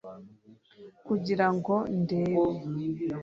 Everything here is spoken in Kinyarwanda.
kugira ngo ndebe